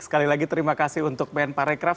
sekali lagi terima kasih untuk kemenparekraf